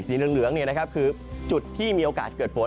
เหลืองคือจุดที่มีโอกาสเกิดฝน